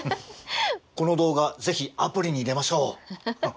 この動画是非アプリに入れましょう。